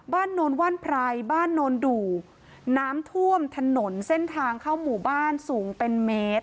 โนนว่านไพรบ้านโนนดูน้ำท่วมถนนเส้นทางเข้าหมู่บ้านสูงเป็นเมตร